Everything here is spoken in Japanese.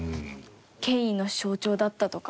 権威の象徴だったとかなんとか。